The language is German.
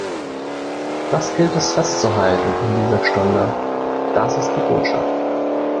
Das gilt es festzuhalten in dieser Stunde. Das ist die Botschaft!